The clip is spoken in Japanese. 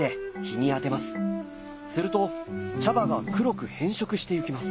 すると茶葉が黒く変色してゆきます。